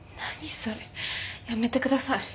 それやめてください